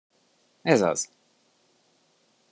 Ez az!